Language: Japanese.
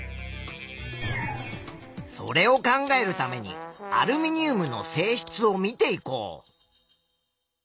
それを考えるためにアルミニウムの性質を見ていこう。